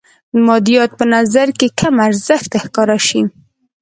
مادیات په نظر کې کم ارزښته ښکاره شي.